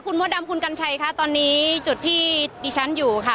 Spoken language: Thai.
คุณมดดำคุณกัญชัยค่ะตอนนี้จุดที่ดิฉันอยู่ค่ะ